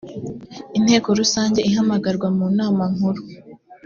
inteko rusange ihamagarwa munama nkuru.